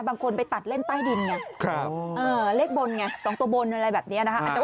บางคนไปตัดเล่นใต้ดินไงเลขบนไง๒ตัวบนอะไรแบบนี้นะคะ